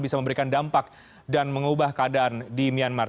bisa memberikan dampak dan mengubah keadaan di myanmar